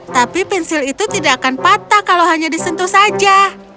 tapi pensil itu tidak akan patah kalau hanya disentuh saja